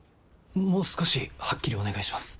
もう少しはっきりお願いします。